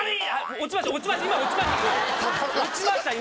落ちました今。